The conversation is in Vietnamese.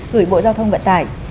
gửi bộ giao thông vận tải